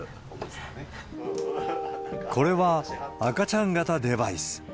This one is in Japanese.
これは、赤ちゃん型デバイス。